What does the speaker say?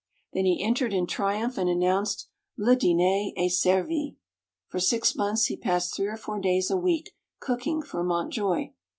Then he entered in triumph, and announced, "Le diner est servi." For six months he passed three or four days a week cooking for Mountjoye.